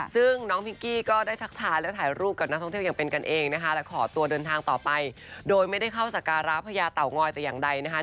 ซึ่งน้องพิงกี้ก็ได้ทักทายและถ่ายรูปกับนักท่องเที่ยวอย่างเป็นกันเองนะคะและขอตัวเดินทางต่อไปโดยไม่ได้เข้าสการะพญาเต่างอยแต่อย่างใดนะคะ